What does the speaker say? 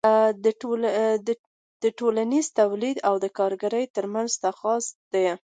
دا د ټولنیز تولید او کارګر ترمنځ تضاد دی